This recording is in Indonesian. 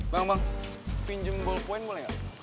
bang bang pinjem ball point boleh gak